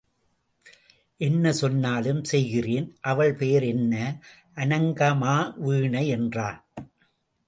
என்ன சொன்னாலும் செய்கிறேன் அவள் பெயர் என்ன? அநங்கமா வீணை என்றான்.